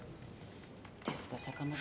ですが坂本は」